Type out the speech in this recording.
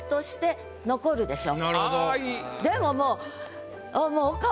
でももう。